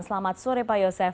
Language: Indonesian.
selamat sore pak yosef